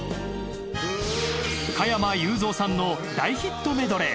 加山雄三さんの大ヒットメドレー。